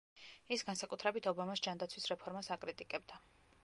ის განსაკუთრებით ობამას ჯანდაცვის რეფორმას აკრიტიკებდა.